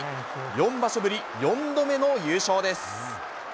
４場所ぶり４度目の優勝です。